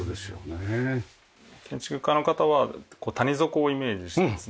建築家の方は谷底をイメージしてですね